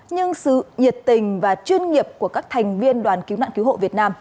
nhưng sự nhiệt tình và chuyên nghiệp của các thành viên đoàn cứu nạn cứu hộ việt nam